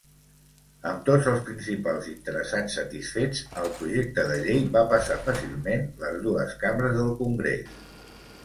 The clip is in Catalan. Amb tots els principals interessats satisfets, el projecte de llei va passar fàcilment les dues cambres del Congrés.